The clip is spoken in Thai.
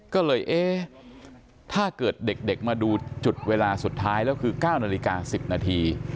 ก็เลยเอ๊ะถ้าเกิดเด็กมาดูจุดเวลาสุดท้ายแล้วคือ๙นาฬิกา๑๐นาที